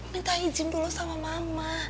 minta izin dulu sama mama